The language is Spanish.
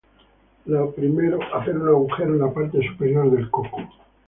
Lo primero, hacer un agujero en la parte superior del coco.